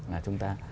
là chúng ta